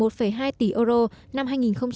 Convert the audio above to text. một hai tỷ euro năm hai nghìn một mươi bảy